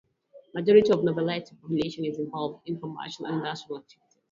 Majority of Noveleta's population is involved in commercial and industrial activities.